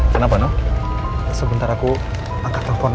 kenapa noh sebentar aku angkat telepon aja